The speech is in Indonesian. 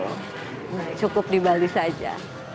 nah cukup di bali saja